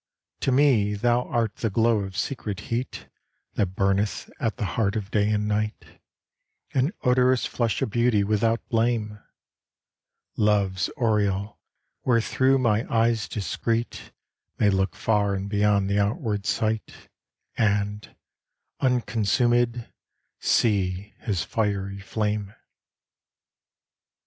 To me thou art the glow of secret heat That burneth at the heart of day and night, An odorous flush of beauty without blame, Love's oriel wherethrough my eyes discreet May look far in beyond the outward sight And, unconsumëd, see His fiery flame.